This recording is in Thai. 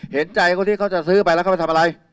เห็นใจคนที่เขาจะซื้อไปแล้วเขาไปทำอะไร